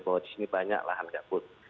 bahwa di sini banyak lahan gabut